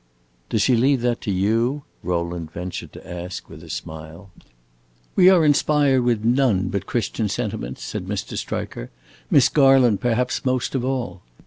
"Does she leave that to you?" Rowland ventured to ask, with a smile. "We are inspired with none but Christian sentiments," said Mr. Striker; "Miss Garland perhaps most of all.